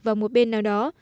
vào một bên nào đó